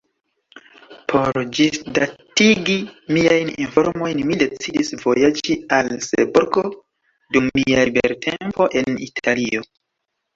Por ĝisdatigi miajn informojn, mi decidis vojaĝi al Seborgo dum mia libertempo en Italio.